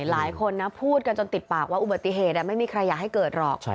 หลายคนนะพูดกันจนติดปากว่าอุบัติเหตุไม่มีใครอยากให้เกิดหรอก